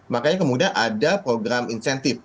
makanya kemudian ada program insentif